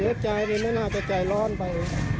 เสียใจเลยมันอาจจะใจร้อนไป